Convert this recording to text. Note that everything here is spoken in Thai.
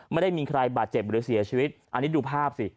ไม่ได้มีใครบาดเจ็บหรือเสียชีวิตอันนี้ดูภาพสิ